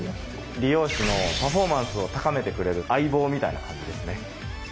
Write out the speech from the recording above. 理容師のパフォーマンスを高めてくれる相棒みたいな感じですね。